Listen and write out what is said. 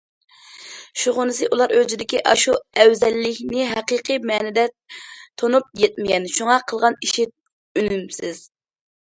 شۇغىنىسى ئۇلار ئۆزىدىكى ئاشۇ ئەۋزەللىكنى ھەقىقىي مەنىدە تونۇپ يەتمىگەن، شۇڭا قىلغان ئىشى ئۈنۈمسىز.